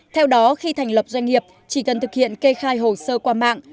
theo đó khi thành lập doanh nghiệp chỉ cần thực hiện kê khai hồ sơ qua mạng